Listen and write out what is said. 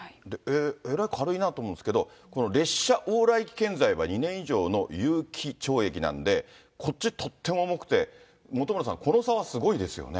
えらい軽いなと思うんですけど、この列車往来危険罪は２年以上の有期懲役なんで、こっち、とっても重くて、本村さん、この差はすごいですよね。